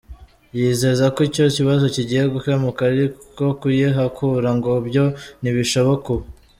Yizeza ko icyo kibazo kigiye gukemuka ariko kuyihakura ngo byo ntibishoboka ubu.